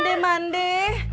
oh ya sudah